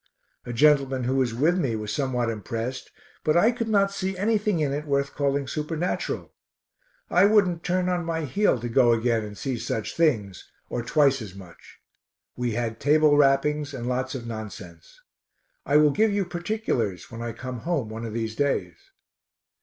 A gentleman who was with me was somewhat impressed, but I could not see anything in it worth calling supernatural. I wouldn't turn on my heel to go again and see such things, or twice as much. We had table rappings and lots of nonsense. I will give you particulars when I come home one of these days.